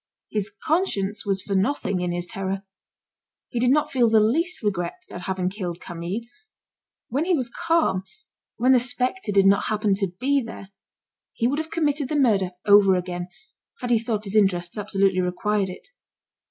His conscience was for nothing in his terror. He did not feel the least regret at having killed Camille. When he was calm, when the spectre did not happen to be there, he would have committed the murder over again, had he thought his interests absolutely required it.